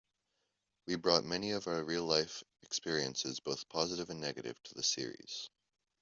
We brought many of our real-life experiences, both positive and negative, to the series.